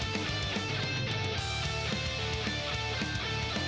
โปรดติดตามต่อไป